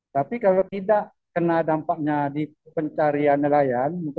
tapi kalau tidak kena dampaknya di pencarian nelayan